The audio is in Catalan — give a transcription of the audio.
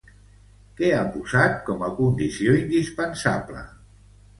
Què ha posat com a condició indispensable?